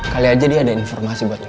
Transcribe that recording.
kali aja dia ada informasi buat